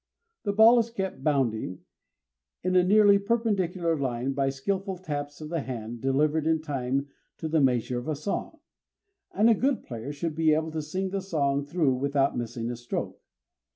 The ball is kept bounding in a nearly perpendicular line by skilful taps of the hand delivered in time to the measure of a song; and a good player should be able to sing the song through without missing a stroke.